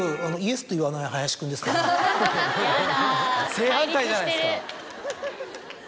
正反対じゃないですか。